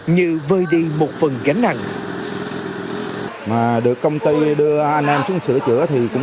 như vơi đi một phần gánh nặng